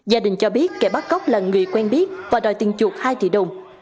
gia đình cho biết kẻ bắt cóc là người quen biết và đòi tiền chuột hai tỷ đồng